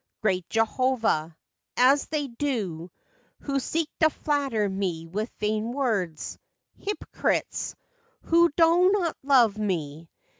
Great Jehovah !' as they do who Seek to flatter me with vain words. Hypocrites! who do not love me